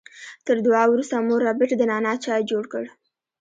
تر دعا وروسته مور ربیټ د نعنا چای جوړ کړ